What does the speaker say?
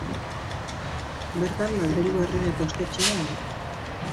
Bertan Madrilgo Errege Postetxea dago.